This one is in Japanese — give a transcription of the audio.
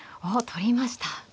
おっ取りました。